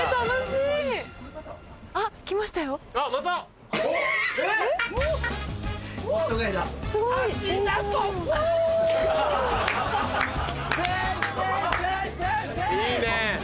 いいね。